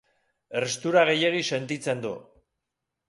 Herstura gehiegi sentitzen du.